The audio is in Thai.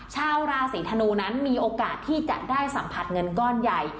ชาวราศีธนูนั้นมีโอกาสที่จะได้สัมผัสเงินก้อนใหญ่